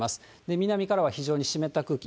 南からは非常に湿った空気。